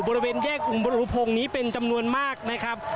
บริเวณแยกอุงบรุพงศ์นี้เป็นจำนวนมากนะครับ